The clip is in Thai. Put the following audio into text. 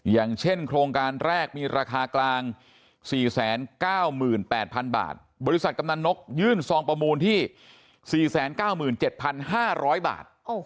อย่างเช่นโครงการแรกมีราคากลาง๔๙๘๐๐๐บาทบริษัทกำนันนกยื่นซองประมูลที่๔๙๗๕๐๐บาท